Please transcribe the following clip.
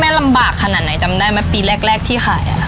แม่ลำบากขนาดไหนจำได้ไหมปีแรกแรกที่ขายอ่ะ